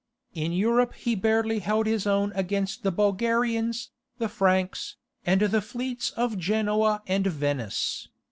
In Europe he barely held his own against the Bulgarians, the Franks, and the fleets of Genoa and Venice.